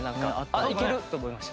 あっいける！と思いました。